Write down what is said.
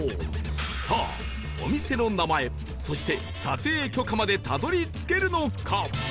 さあお店の名前そして撮影許可までたどり着けるのか？